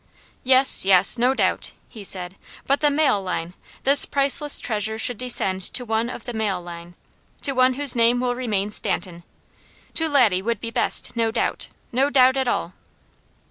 "Yes, yes! No doubt!" he said. "But the male line! This priceless treasure should descend to one of the male line! To one whose name will remain Stanton! To Laddie would be best, no doubt! No doubt at all!"